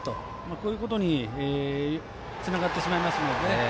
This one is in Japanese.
こういうことにつながってしまいますのでね。